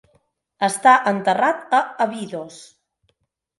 Està enterrat a Abidos.